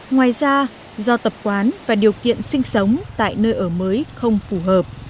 ngoài ra do tập quán và điều kiện sinh sống tại nơi ở mới không phù hợp